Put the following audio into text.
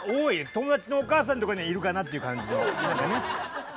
友達のお母さんとかにはいるかなっていう感じの何かね。